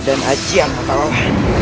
dan ajian untuk allah